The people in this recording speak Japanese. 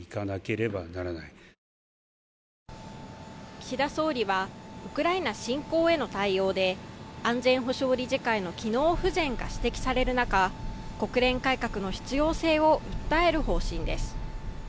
岸田総理はウクライナ侵攻への対応で安全保障理事会の機能不全が指摘される中国連改革の必要性を訴える方針です。